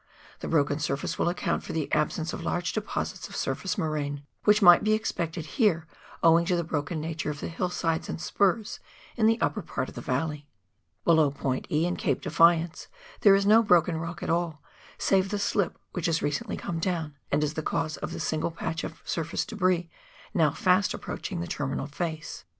The broken surface will account for the absence of large deposits of surface moraine, which might be expected here, owing to the broken nature of the hillsides and spurs in the upper part of the valley. Below point E and Cape Defi ance there is no broken rock at all, save the slip which has recently come down, and is the cause of the single patch of surface debris, now fast approaching the terminal face.